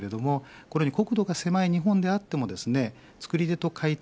これに国土が狭い日本であっても作り手と買い手